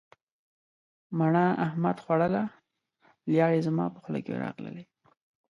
مڼه احمد خوړله لیاړې زما په خوله کې راغللې.